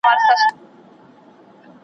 د خوبونو په لیدلو نه رسیږو .